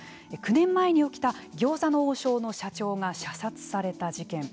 ９年前に起きた、餃子の王将の社長が射殺された事件。